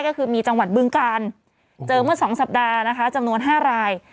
ก็คือมีจังหวัดบึงกาลเจอเมื่อ๒สัปดาห์นะคะจำนวน๕ราย